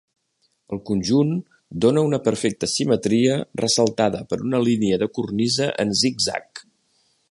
El conjunt dóna una perfecta simetria ressaltada per una línia de cornisa en zig-zag.